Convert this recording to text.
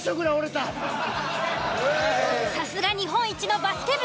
さすが日本一のバスケ部。